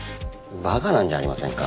馬鹿なんじゃありませんか？